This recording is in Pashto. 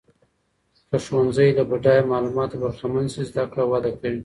که ښوونځۍ له بډایه معلوماتو برخمن سي، زده کړه وده کوي.